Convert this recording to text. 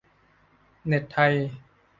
เน็ตไทย